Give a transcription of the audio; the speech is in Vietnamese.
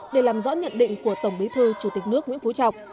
để làm rõ nhận định của tổng bí thư chủ tịch nước nguyễn phú trọng